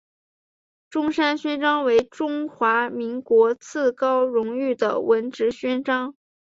中山勋章为中华民国次高荣誉的文职勋章。